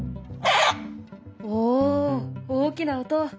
お大きな音！